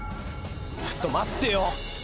ちょっと待ってよ。